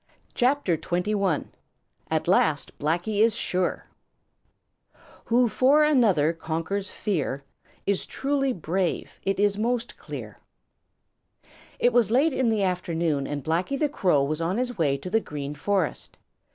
CHAPTER XXI: At Last Blacky Is Sure Who for another conquers fear Is truly brave, it is most clear. Blacky the Crow. It was late in the afternoon, and Blacky the Crow was on his way to the Green Forest.